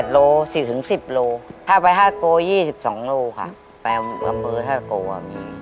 โล๑๐๑๐โลถ้าไป๕โก๒๒โลค่ะไปอำเภอ๕โกมี